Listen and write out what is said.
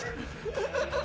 ハハハハ！